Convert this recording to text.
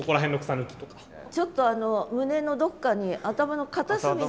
ちょっと胸のどこかに頭の片隅に。